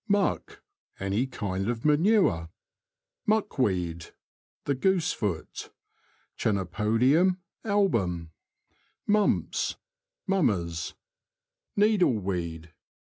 Muck. — Any kind of manure. Muck weed. — The goose foot {Chenopodium album.) Mumps. — Mummers. Needle weed.